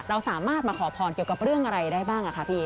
เราสามารถมาขอพรเกี่ยวกับเรื่องอะไรได้บ้างคะพี่